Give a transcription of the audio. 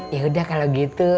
yaudah kalau gitu